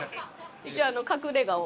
一応隠れ家を。